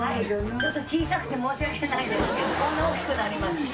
ちょっと小さくて申し訳ないですけど、こんな大きくなりまして。